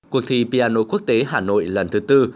cuộc thi piano quốc tế hà nội lần thứ tư